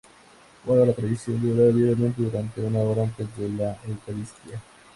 Guardan la tradición de orar diariamente durante una hora antes de la eucaristía.